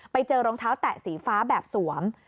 ไปเจอรองเท้าแตะสีฟ้าแบบสวม